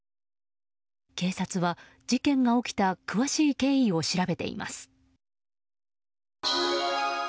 警察は事件が起きた詳しい経緯を調べています。